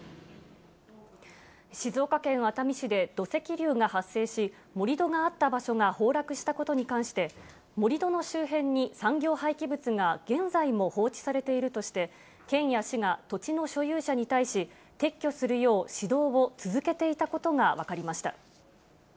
静岡県熱海市で土石流が発生し、盛り土があった場所が崩落したことに関して、盛り土の周辺に産業廃棄物が現在も放置されているとして、県や市が土地の所有者に対し、撤去するよう指導を続けていたことが分かりました。